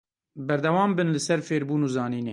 Berdewam bin li ser fêrbûn û zanînê.